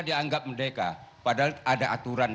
dianggap merdeka padahal ada aturan